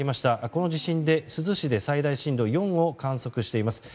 この地震で、珠洲市で最大震度４を観測しています。